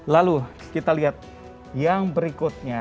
lalu kita lihat yang berikutnya